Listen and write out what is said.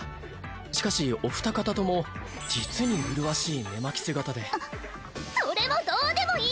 しかしお二方とも実に麗しい寝間着姿でそれもどうでもいい！